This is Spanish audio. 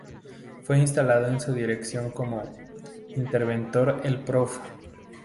Fue instalado en su dirección como Interventor el Prof.